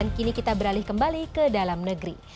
dan kini kita beralih kembali ke dalam negeri